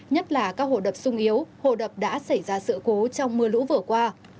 nhất là các hồ đập sung yếu hồ đập đã xảy ra sự cố trong mưa lũ vừa qua